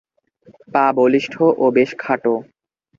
পা বলিষ্ঠ ও বেশ খাটো।